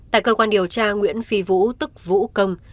tại cơ quan điều tra nguyễn phi vũ tức vũ công